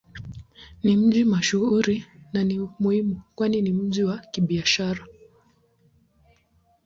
Ni mji mashuhuri na ni muhimu kwani ni mji wa Kibiashara.